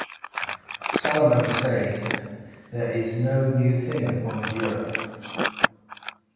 Salomon saith, There is no new thing upon the earth.